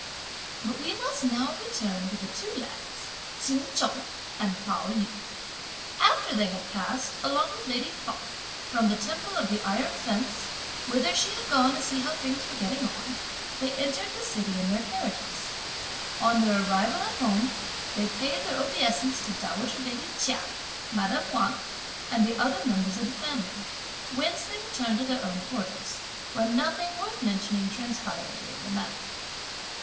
But we must now return to the two lads, Ch'in Chung and Pao yü. After they had passed, along with lady Feng from the Temple of the Iron Fence, whither she had gone to see how things were getting on, they entered the city in their carriages. On their arrival at home, they paid their obeisance to dowager lady Chia, madame Wang and the other members of the family, whence they returned to their own quarters, where nothing worth mentioning transpired during the night.